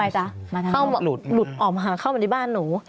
เข้ามาหลุดออกมาเข้ามาในบ้านหนู